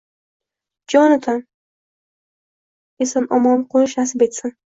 — Jonatan, eson-omon qo‘nish nasib etsin!